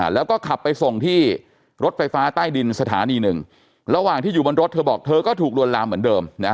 แล้วก็ขับไปส่งที่รถไฟฟ้าใต้ดินสถานีหนึ่งระหว่างที่อยู่บนรถเธอบอกเธอก็ถูกลวนลามเหมือนเดิม